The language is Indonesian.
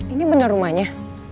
ini benar rumahnya